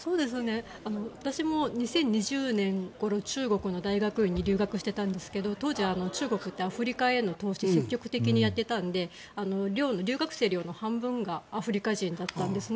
私も２０２０年ごろ中国の大学院に留学していたんですが当時、中国ってアフリカへの投資積極的にやっていたので留学生寮の半分がアフリカ人だったんですね。